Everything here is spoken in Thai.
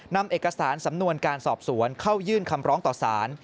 นำเอกสารสำนวนการสอบสวนเข้ายื่นคำร้องต่อสาร